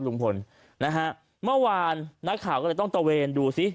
ลุงพลนะฮะเมื่อวานนักข่าวก็เลยต้องตะเวนดูซิ